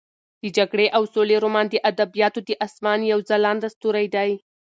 د جګړې او سولې رومان د ادبیاتو د اسمان یو ځلانده ستوری دی.